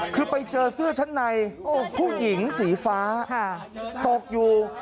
คือไปเจอเสื้อชั้นในผู้หญิงสีฟ้าตกอยู่